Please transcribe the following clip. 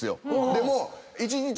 でも。